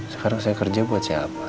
sekarang saya kerja buat siapa